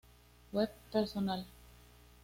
Web personal